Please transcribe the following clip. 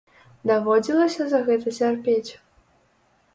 Даводзілася за гэта цярпець?